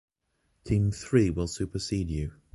Team three will supersede you.